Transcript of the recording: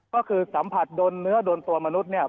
ก็คือสัมผัสโดนเนื้อโดนตัวมนุษย์เนี่ย